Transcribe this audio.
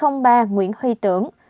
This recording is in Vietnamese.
hai trăm linh ba nguyễn huy tưởng